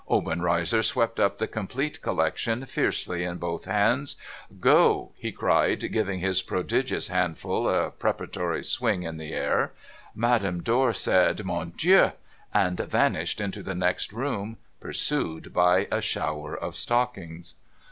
Obenreizer swept up the complete collection fiercely in both hands. ' Go !' he cried, giving his prodigious handful a preparatory swing in the air. Madame Dor said, ' Mon Dieu,' and vanished into the next room, pursued by a shower of stockings.